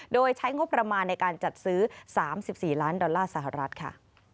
โดยใช้งบประมาณในการจัดซื้อ๓๔ล้านดอลลาร์สหรัฐค่ะ